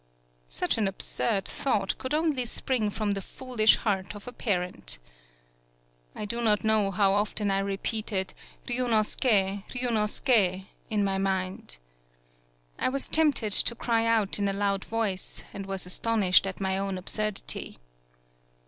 Such an absurd thought could only spring from the foolish heart of a parent. I do not know how often I repeated "Ryunosuke! Ryunosuke!" in my mind. I was tempted to cry out in a loud voice, and was astonished at my own absurdity.